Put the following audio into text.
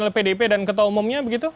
tentukan oleh pdi dan ketua umumnya begitu